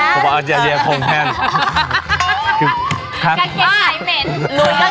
พองแพ้นพองแพ้นพองแพ้นพองแพ้นพองแพ้น